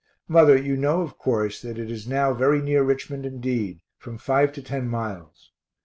Mother, you know of course that it is now very near Richmond indeed, from five to ten miles.